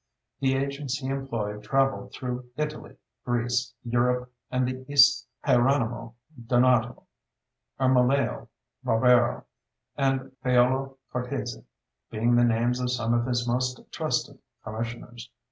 The agents he employed travelled through Italy, Greece, Europe, and the East Hieronymo Donato, Ermolao Barbaro, and Paolo Cortesi being the names of some of his most trusted "commissioners."